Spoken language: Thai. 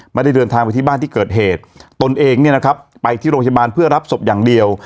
ไม่ได้เดินทางไปที่บ้านที่เกิดเหตุตนเองเนี่ยนะครับไปที่โรงพยาบาลเพื่อรับศพอย่างเดียว